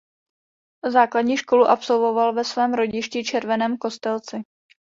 Základní školu absolvoval ve svém rodišti Červeném Kostelci.